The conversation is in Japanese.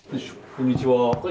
こんにちは！